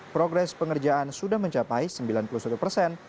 progres pengerjaan sudah mencapai sembilan puluh satu persen